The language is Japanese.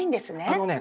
あのね